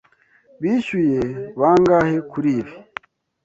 Bishyuye bangahe kuri ibi?